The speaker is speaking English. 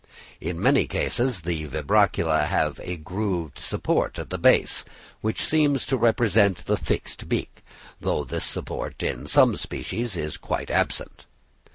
In many cases the vibracula have a grooved support at the base, which seems to represent the fixed beak; though this support in some species is quite absent.